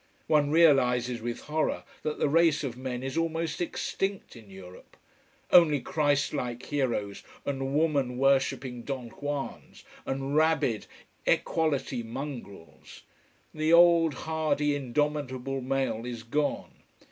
One realises, with horror, that the race of men is almost extinct in Europe. Only Christ like heroes and woman worshipping Don Juans, and rabid equality mongrels. The old, hardy, indomitable male is gone.